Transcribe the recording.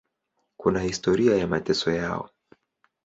Kuna historia ya mateso yao.